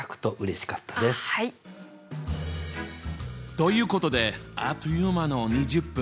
ということであっという間の２０分。